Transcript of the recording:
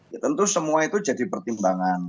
ya tentu semua itu jadi pertimbangan